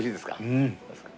うん。